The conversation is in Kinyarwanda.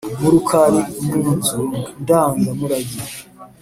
Murukari munzu ndanga murage